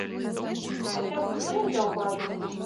Хаця б хто не заўважыў!